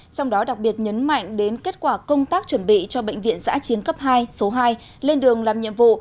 trong đó đặc biệt nhấn mạnh đến kết quả công tác chuẩn bị cho bệnh viện giã chiến cấp hai số hai lên đường làm nhiệm vụ